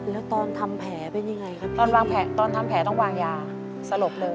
แล้วตอนทำแผลเป็นยังไงครับตอนทำแผลต้องวางยาสลบเลย